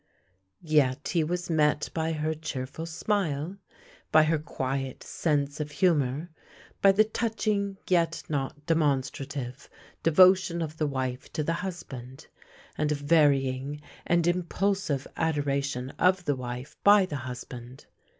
Yet he THE LANE THAT HAD NO TURNING 43 was met by her cheerful smile, by her quiet sense of humour, by the touching yet not demonstrative devo tion of the wife to the husband, and a varying and im pulsive adoration of the wife by the husband.